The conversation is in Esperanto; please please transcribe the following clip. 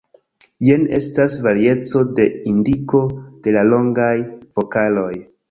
Jen estas varieco de indiko de la longaj vokaloj.